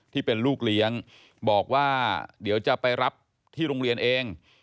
ที่เป็นลูกเลี้ยงบอกว่าเดี๋ยวจะไปรับที่โรงเรียนเอง